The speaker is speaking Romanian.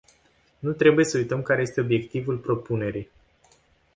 Nu trebuie să uităm care este obiectivul propunerii.